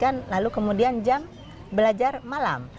jam lalu kemudian jam belajar malam